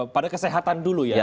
pada kesehatan dulu ya